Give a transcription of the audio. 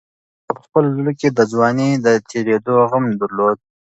ارمان کاکا په خپل زړه کې د ځوانۍ د تېرېدو غم درلود.